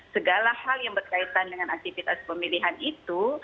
segala hal yang berkaitan dengan aktivitas pemilihan itu